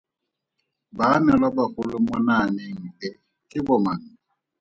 Baanelwabagolo mo naaneng e ke bomang?